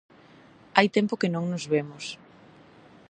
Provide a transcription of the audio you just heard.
Hai tempo que non nos vemos.